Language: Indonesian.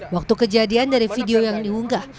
waktu kejadian dari video yang diunggah